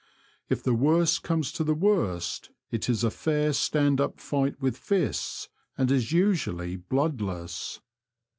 If thi worst comes to the worst it is a fair stand up fight with fists, and is usually blood less.